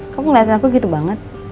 kamu ngeliat aku gitu banget